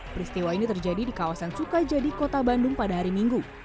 peristiwa ini terjadi di kawasan sukajadi kota bandung pada hari minggu